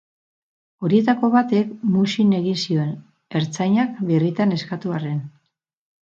Horietako batek muzin egin zion, ertzainak birritan eskatu arren.